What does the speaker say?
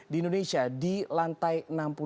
di indonesia di lantai